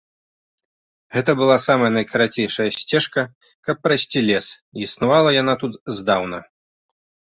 Гэта была самая найкарацейшая сцежка, каб прайсці лес, і існавала яна тут здаўна.